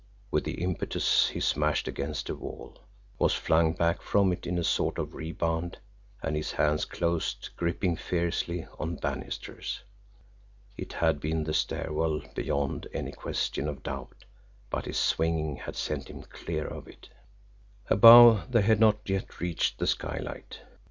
With the impetus he smashed against a wall, was flung back from it in a sort of rebound, and his hands closed, gripping fiercely, on banisters. It had been the stair well beyond any question of doubt, but his swing had sent him clear of it. Above, they had not yet reached the skylight.